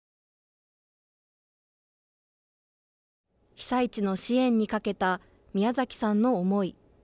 被災地の支援にかけた宮崎さんの思い。